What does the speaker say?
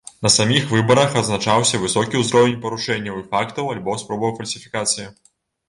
На саміх выбарах адзначаўся высокі ўзровень парушэнняў і фактаў альбо спробаў фальсіфікацый.